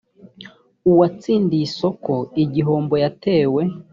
uwatsindiye isoko igihombo yatewe